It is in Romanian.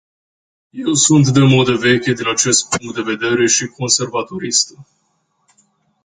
Eu sunt de modă veche din acest punct de vedere și conservatoristă.